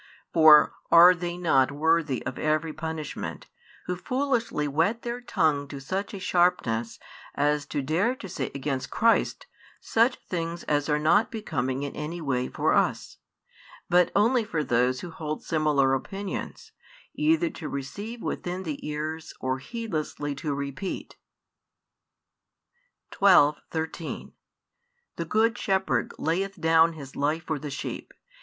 For are they not worthy of every punishment, who foolishly whet their tongue to such a sharpness as to dare to say against Christ such things as are not becoming in any way for us, but only for those who hold similar opinions, either to receive within the ears or heedlessly to repeat? 12, 13 The Good Shepherd layeth down His life for the sheep.